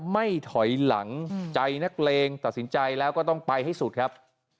ไม่ถอยหลังใจนักเลงตัดสินใจแล้วก็ต้องไปให้สุดครับ